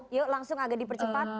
yuk langsung agak dipercepat